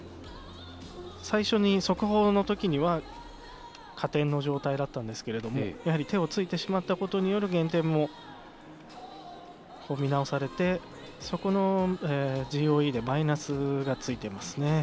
最初に速報のときには加点の状態だったんですがやはり手をついてしまったことによる減点も取り直されて、そこのＧＯＥでマイナスがついていますね。